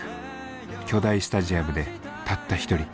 巨大スタジアムでたった一人。